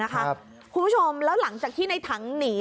คุณผู้ชมแล้วหลังจากที่ในถังหนี